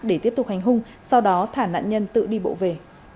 để tiếp tục hành hung sau đó thả nạn nhân tự đi bộ về